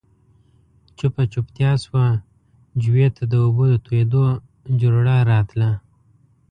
چوپه چوپتيا شوه، جووې ته د اوبو د تويېدو جورړا راتله.